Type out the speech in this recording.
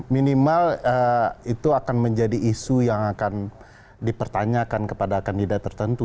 minimal itu akan menjadi isu yang akan dipertanyakan kepada kandidat tertentu